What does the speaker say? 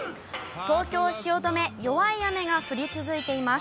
東京・汐留、弱い雨が降り続いています。